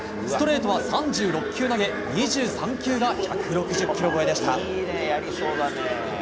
ストレートは３６球投げ２３球が１６０キロ超えでした。